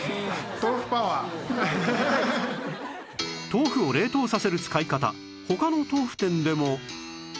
豆腐を冷凍させる使い方他の豆腐店でも